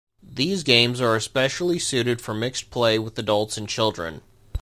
These games are especially suited for mixed play with adults and children.